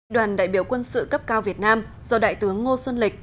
đoàn đại biểu quân sự cấp cao việt nam do đại tướng ngô xuân lịch